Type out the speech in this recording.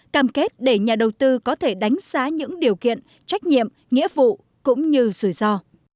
cam kết để nhà đầu tư có thể đánh giá những điều kiện trách nhiệm nghĩa vụ cũng như rủi ro